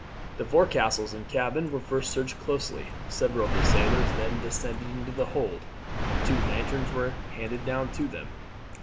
The forecastles and cabin were first searched closely. Several of the sailors then descended into the hold. Two lanterns were handed down to them.